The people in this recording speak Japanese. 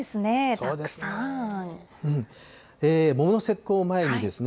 そうですね。